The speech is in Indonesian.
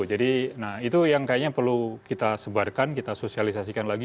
jadi itu yang kayaknya perlu kita sebarkan kita sosialisasikan lagi